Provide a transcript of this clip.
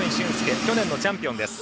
去年のチャンピオンです。